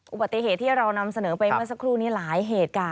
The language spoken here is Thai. อุบัติเหตุที่เรานำเสนอไปเมื่อสักครู่นี้หลายเหตุการณ์